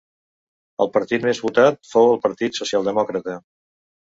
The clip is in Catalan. El partit més votat fou el Partit Socialdemòcrata.